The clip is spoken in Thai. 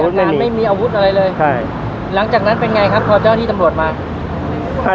สวัสดีครับ